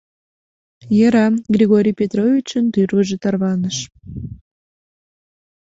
— Йӧра, — Григорий Петровичын тӱрвыжӧ тарваныш.